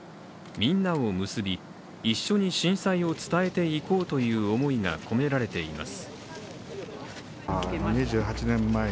「みんなをむすび一緒に震災を伝えていこう」という思いが込められています。